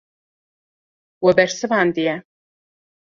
We bersivandiye.